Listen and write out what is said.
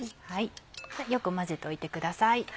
よく混ぜておいてください。